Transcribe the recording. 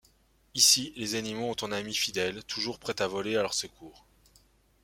Ici, les animaux ont un ami fidèle, toujours prêt à voler à leur secours.